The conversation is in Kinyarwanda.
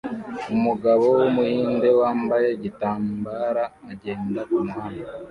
Umugabo wumuhinde wambaye igitambara agenda kumuhanda